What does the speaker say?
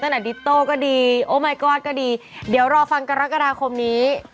ตั้งแต่ดิตโตก็ดีออมายก็อดก็ดีเดี๋ยวรอฟังกรกฎาคมนี้